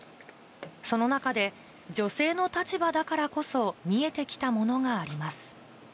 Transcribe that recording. その中で、女性の立場だからこそ見えてきたものがあります。